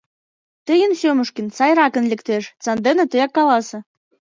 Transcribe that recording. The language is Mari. — Тыйын, Сёмушкин, сайракын лектеш, сандене тыяк каласе.